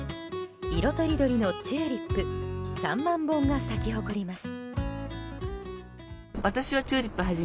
色とりどりのチューリップ３万本が咲き誇ります。